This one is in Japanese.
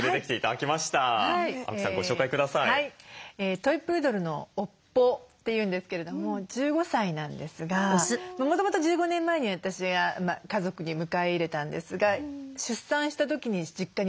トイ・プードルの「おっぽ」っていうんですけれども１５歳なんですがもともと１５年前に私が家族に迎え入れたんですが出産した時に実家に戻って。